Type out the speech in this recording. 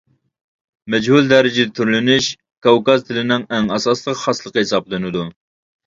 مەجھۇل دەرىجىدە تۈرلىنىش كاۋكاز تىلىنىڭ ئەڭ ئاساسلىق خاسلىقى ھېسابلىنىدۇ.